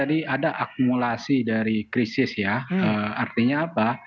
jadi kalau kita lihat akumulasi dari krisis ya artinya apa